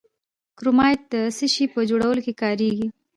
کرومایټ د څه شي په جوړولو کې کاریږي؟